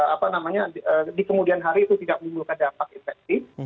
apa namanya di kemudian hari itu tidak menimbulkan dampak infeksi